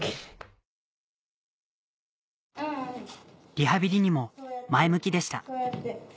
リハビリにも前向きでした